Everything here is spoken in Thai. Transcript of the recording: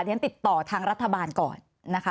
ฉันติดต่อทางรัฐบาลก่อนนะคะ